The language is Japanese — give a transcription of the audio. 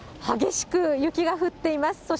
激しく雪が降っています。